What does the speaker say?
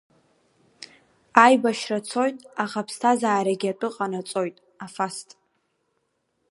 Аибашьра цоит, аха аԥсҭазаарагьы атәы ҟанаҵоит, афаст!